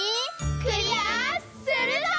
クリアするぞ！